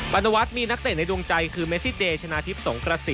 รณวัฒน์มีนักเตะในดวงใจคือเมซิเจชนะทิพย์สงกระสิน